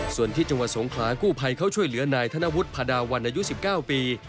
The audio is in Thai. ส่วนที่จังหวัดสงขลากู้ภัยเขาช่วยเหลือนายธนวุฒิภาดาวันอายุ๑๙ปี